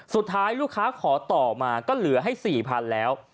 สุดท้ายลูกค้าขอต่อมาก็เหลือให้๔๐๐๐แล้ว